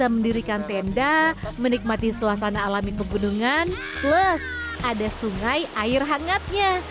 mendirikan tenda menikmati suasana alami pegunungan plus ada sungai air hangatnya